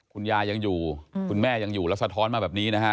คุณยายยังอยู่คุณแม่ยังอยู่แล้วสะท้อนมาแบบนี้นะฮะ